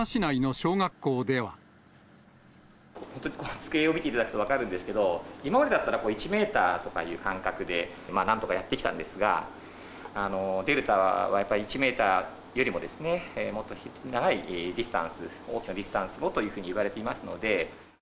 ちょっとこの机を見ていただければ分かるんですけど、今までだったら１メートルという間隔で、なんとかやってきたんですが、デルタは１メーターよりも、もっと長いディスタンス、大きなディスタンスをというふうにいわれていますので。